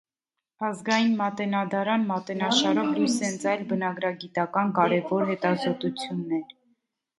«Ազգային մատենադարան» մատենաշարով լույս է ընծայել բնագրագիտական կարևոր հետազոտություններ։